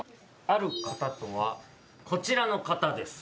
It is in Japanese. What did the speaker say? ある方とはこちらの方です。